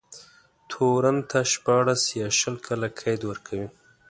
تورن ته شپاړس يا شل کاله قید ورکوي.